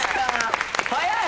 早い！